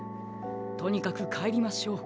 とにかくかえりましょう。